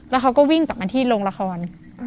แล้วเขาก็วิ่งกลับมาที่โรงละคร